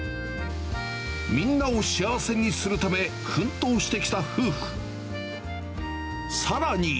みんなを幸せにするため、奮闘してきた夫婦。